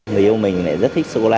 người yêu mình lại rất thích sô cô la